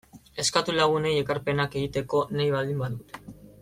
Eskatu lagunei ekarpenak egiteko nahi baldin badute.